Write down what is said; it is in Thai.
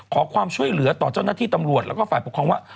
งานหน้าที่ตำรวจและฝ่ายปกครองว่า